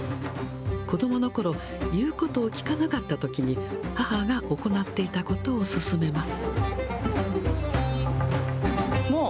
子どものころ、言うことを聞かなかったときに、母が行っていたことを勧めます。